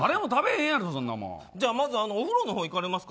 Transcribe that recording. まずお風呂のほう行かれますか。